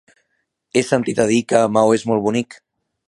He sentit a dir que Maó és molt bonic.